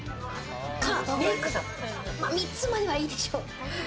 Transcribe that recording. か、メークさん、３つまではいいでしょう？